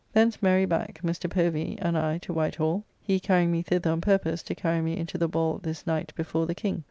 Thence merry back, Mr. Povy and, I to White Hall; he carrying me thither on purpose to carry me into the ball this night before the King.